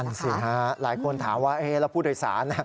สิฮะหลายคนถามว่าแล้วผู้โดยสาร